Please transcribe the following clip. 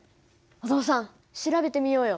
お父さん調べてみようよ！